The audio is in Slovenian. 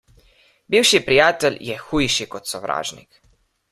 Bivši prijatelj je hujši kot sovražnik.